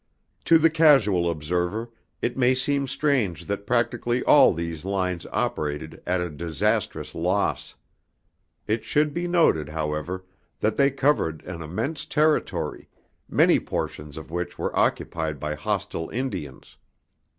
To the casual observer it may seem strange that practically all these lines operated at a disastrous loss. It should be noted however, that they covered an immense territory, many portions of which were occupied by hostile Indians.